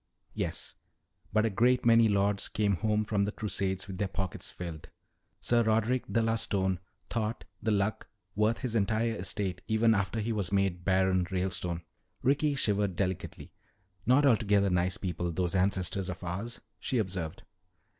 "Yes, but a great many lords came home from the Crusades with their pockets filled. Sir Roderick de la Stone thought the Luck worth his entire estate even after he was made Baron Ralestone." Ricky shivered delicately. "Not altogether nice people, those ancestors of ours," she observed.